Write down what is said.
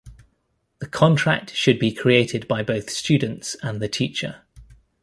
The contract should be created by both students and the teacher.